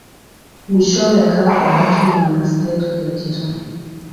Mwishowe akawa abati wa monasteri ya jirani.